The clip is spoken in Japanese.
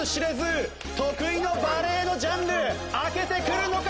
得意のバレエのジャンル開けてくるのか！？